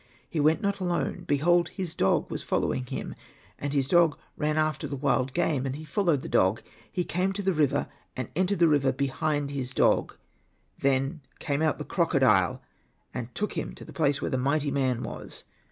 He went not alone, behold his dog was following him. And his dog ran aside after the wild game, and he fol lowed the dog. He came to the river, and entered the river behind his dog. Then came out the crocodile, and took him to the place where the mighty man was.